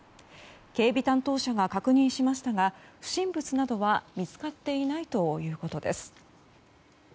警備担当者が確認しましたが不審物などは見つかっていないということです。